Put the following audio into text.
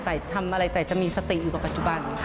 แต่ทำอะไรแต่จะมีสติอยู่กว่าปัจจุบันค่ะ